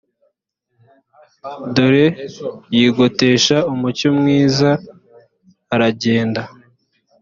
dore yigotesha umucyo mwiza aragenda